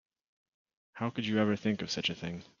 How could you ever think of such a thing?